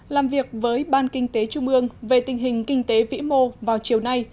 làm việc với ban kinh tế trung ương về tình hình kinh tế vĩ mô vào chiều nay